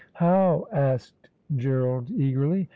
"How?" asked Gerald eagerly.